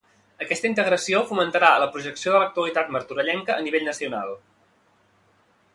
Aquesta integració fomentarà la projecció de l'actualitat martorellenca a nivell nacional.